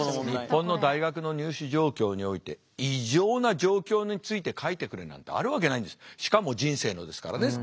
日本の大学の入試状況において異常な状況について書いてくれなんてあるわけないんですしかも人生のですからね。